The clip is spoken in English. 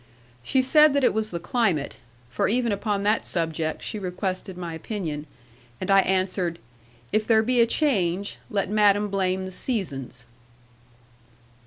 She said that it was the climate for even upon that subject she requested my opinion and I answered, "if there be a change, let madam blame the seasons."